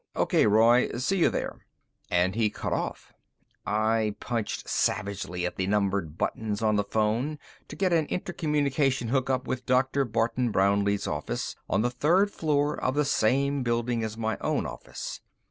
"O.K., Roy, see you there." And he cut off. I punched savagely at the numbered buttons on the phone to get an intercommunication hookup with Dr. Barton Brownlee's office, on the third floor of the same building as my own office.